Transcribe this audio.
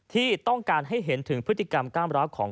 ที่ต้องการให้เห็นถึงพฤติกรรมก้ามร้าวของ